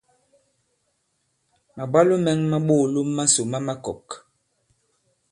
Màbwalo mɛ̄ŋ ma ɓoòlom masò ma makɔ̀k.